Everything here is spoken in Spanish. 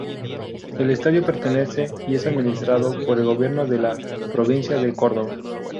El estadio pertenece y es administrado por el Gobierno de la Provincia de Córdoba.